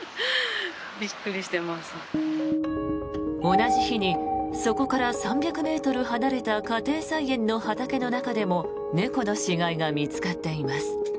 同じ日にそこから３００ｍ離れた家庭菜園の畑の中でも猫の死骸が見つかっています。